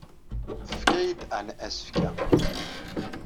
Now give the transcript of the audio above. Tefka-iyi-d Ann asefk-a.